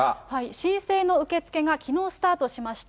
申請の受け付けがきのうスタートしました。